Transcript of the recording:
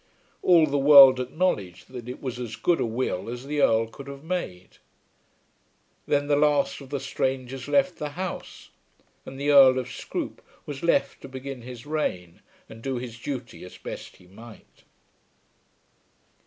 All the world acknowledged that it was as good a will as the Earl could have made. Then the last of the strangers left the house, and the Earl of Scroope was left to begin his reign and do his duty as best he might.